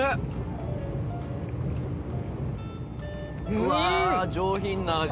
うわあ上品な味。